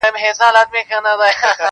زوی له ډېره کیبره و ویله پلار ته-